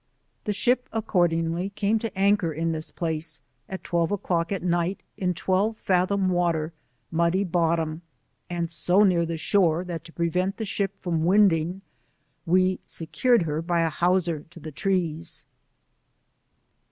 The ship accordingly came to anchor in this place, at twelve o'clock at night, in twelve fathom water, muddy bottom, and so near the shore that to prevent the ship from winding we secured her by a hauser to the trees.